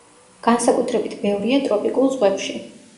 განსაკუთრებით ბევრია ტროპიკულ ზღვებში.